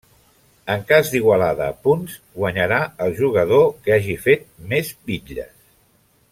En cas d'igualada a punts, guanyarà el jugador que hagi fet més Bitlles.